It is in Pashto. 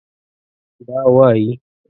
دا وايي